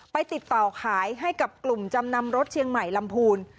ไปติดต่อขายให้กับกลุ่มจำนำรถเชียงใหม่ลำพูน